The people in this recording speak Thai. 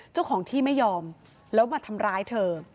เจ้าของที่ไม่ยอมแล้วมาทำร้ายเธอ